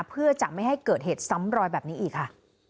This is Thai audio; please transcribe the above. เพื่อจะไม่ให้เกิดเหตุซ้ำรอยแบบนี้อีกค่ะ